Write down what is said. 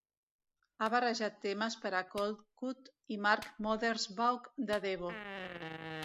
Ha barrejat temes per a Coldcut i Mark Mothersbaugh de Devo.